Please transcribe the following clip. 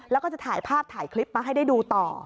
แล้วก็จะถ่ายภาพถ่ายคลิปมาให้ได้ดูต่อ